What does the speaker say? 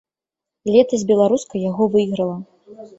Летась беларуска яго выйграла.